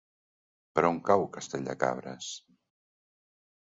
Per on cau Castell de Cabres?